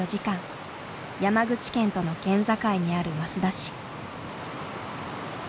山口県との県境にある益田市。